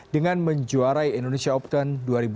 dengan menjuarai indonesia open dua ribu delapan belas